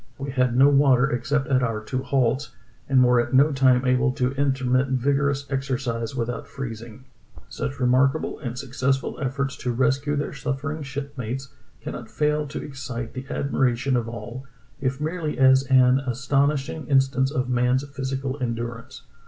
We had no water except at our two halts, and were at no time able to intermit vigorous exercise without freezing. " Such remarkable and successful efforts to rescue their suffering shipmates cannot fail to excite the admiration of all, if merely as an astonishing instance of man's physical endurance.